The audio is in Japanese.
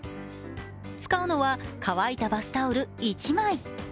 使うのは乾いたバスタオル１枚。